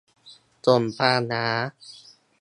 ส่งปลาร้า